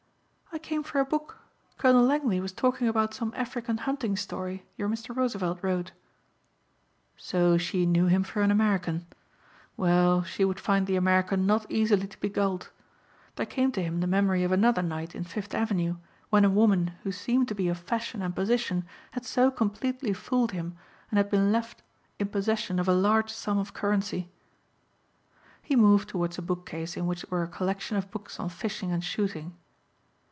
"I came for a book. Colonel Langley was talking about some African hunting story your Mr. Roosevelt wrote." So she knew him for an American. Well, she would find the American not easily to be gulled. There came to him the memory of another night in Fifth Avenue when a woman who seemed to be of fashion and position had so completely fooled him and had been left in possession of a large sum of currency. He moved toward a bookcase in which were a collection of books on fishing and shooting.